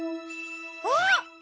あっ！